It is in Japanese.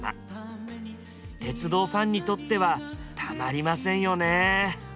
鉄道ファンにとってはたまりませんよね。